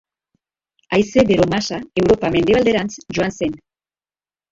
Haize bero masa Europa mendebalderantz joan zen.